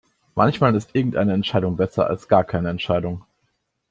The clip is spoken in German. Manchmal ist irgendeine Entscheidung besser als gar keine Entscheidung.